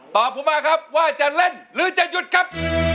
ผมมาครับว่าจะเล่นหรือจะหยุดครับ